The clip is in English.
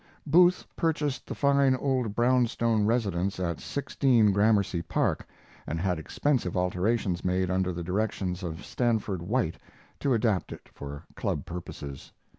] Booth purchased the fine old brownstone residence at 16 Gramercy Park, and had expensive alterations made under the directions of Stanford White to adapt it for club purposes.